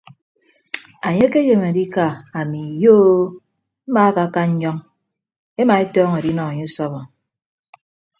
Anye ke ayem adika ami iyo o mmaakaka nnyọñ ema etọñọ adinọ enye usọbọ.